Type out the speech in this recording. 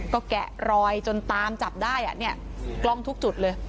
ก็แกะรอยจนตามจับได้นี้ตรงทุกจุดเลย